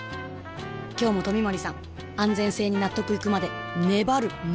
今日も冨森さん安全性に納得いくまで粘る粘る